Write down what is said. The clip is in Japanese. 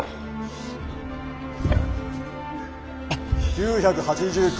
９８９。